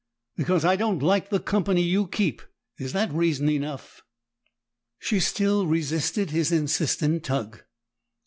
Because I don't like the company you keep. Is that reason enough?" She still resisted his insistent tug.